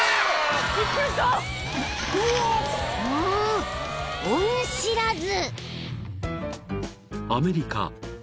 ［ん恩知らず］